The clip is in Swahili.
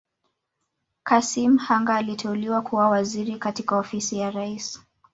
Kassim Hanga aliteuliwa kuwa Waziri katika Ofisi ya Rais